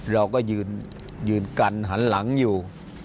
เราก็ยืนกันหันหลังอยู่